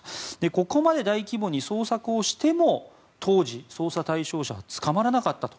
ここまで大規模に捜索をしても当時、捜査対象者は捕まらなかったと。